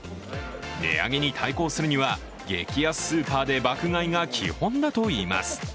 値上げに対抗するには激安スーパーで爆買いが基本だといいます。